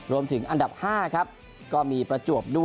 รวมถึงอันดับ๕ครับ